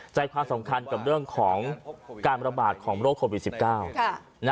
ใจความสำคัญกับเรื่องของการระบาดของโรคโควิด๑๙